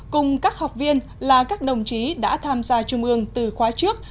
cùng các học viên là các đồng chí đã tham gia trung ương từ khóa trước